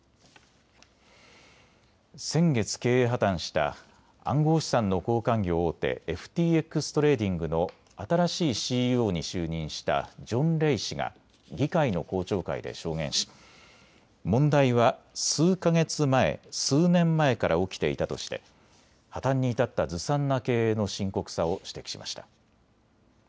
先月、経営破綻した暗号資産の交換業大手、ＦＴＸトレーディングの新しいＣＥＯに就任したジョン・レイ氏が議会の公聴会で証言し問題は数か月前、数年前から起きていたとして破綻に至ったずさんな経営の深刻さを指摘しました。